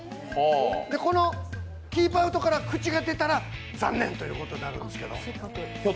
このキープアウトから口が出たら残念ということになるんです。